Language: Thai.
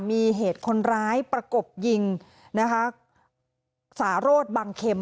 มีเหตุคนร้ายประกบยิงนะคะสารสบังเข็ม